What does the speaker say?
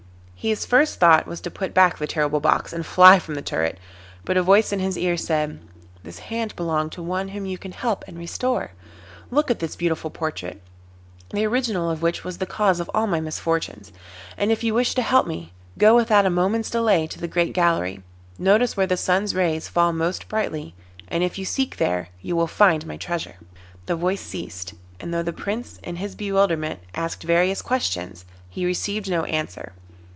His first thought was to put back the terrible box and fly from the turret; but a voice in his ear said, 'This hand belonged to one whom you can help and restore. Look at this beautiful portrait, the original of which was the cause of all my misfortunes, and if you wish to help me, go without a moment's delay to the great gallery, notice where the sun's rays fall most brightly, and if you seek there you will find my treasure.' The voice ceased, and though the Prince in his bewilderment asked various questions, he received no answer.